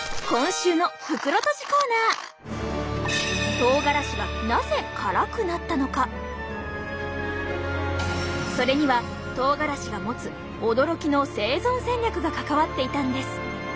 とうがらしはそれにはとうがらしが持つ驚きの生存戦略が関わっていたんです！